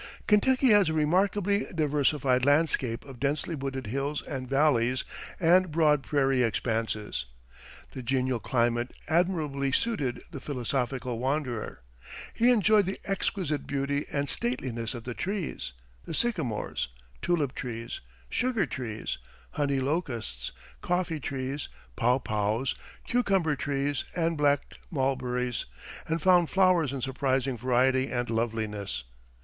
Kentucky has a remarkably diversified landscape of densely wooded hills and valleys and broad prairie expanses. The genial climate admirably suited the philosophical wanderer. He enjoyed the exquisite beauty and stateliness of the trees the sycamores, tulip trees, sugar trees, honey locusts, coffee trees, pawpaws, cucumber trees, and black mulberries and found flowers in surprising variety and loveliness.